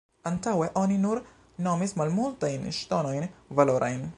Antaŭe oni nur nomis malmultajn ŝtonojn valorajn.